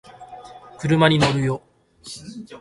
車に乗るよ